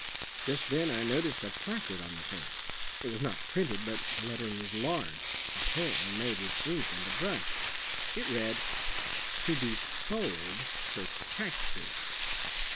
Just then I noticed a placard on the fence; it was not printed, but the lettering was large, apparently made with ink and a brush. It read TO BE SOLD FOR TAXES.